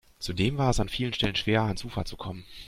Zudem war es an vielen Stellen schwer, ans Ufer zu kommen.